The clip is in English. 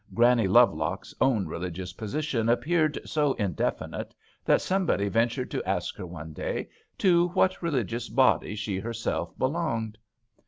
Granny Lovelock's own religious position appeared so indefinite that somebody ventured to ask her one day to what religious body she herself belonged.